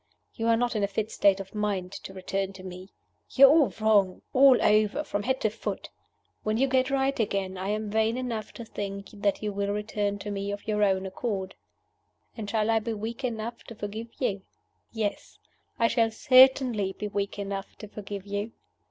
You are not in a fit state of mind to return to me. You are all wrong, all over, from head to foot. When you get right again, I am vain enough to think that you will return to me of your own accord. And shall I be weak enough to forgive you? Yes! I shall certainly be weak enough to forgive you.